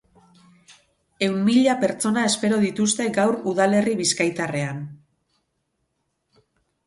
Ehun mila pertsona espero dituzte gaur udalerri bizkaitarrean.